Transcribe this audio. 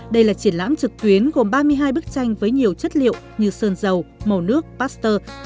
đây là triển lãm trực tuyến gồm ba mươi hai bức tranh với nhiều chất liệu như sơn dầu màu nước pasteur